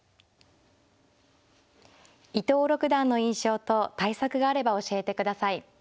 伊藤六段の印象と対策があれば教えてください。